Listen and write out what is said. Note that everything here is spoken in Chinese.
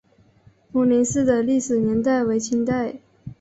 丰宁寺的历史年代为清代。